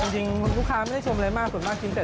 จริงลูกค้ามีได้ชมไหมไม่กว่าน่าจะหรือ